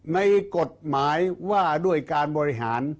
ในกฎหมายว่าด้วยการบริหาร